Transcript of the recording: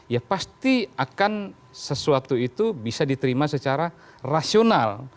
ya pasti akan sesuatu itu bisa diterima secara rasional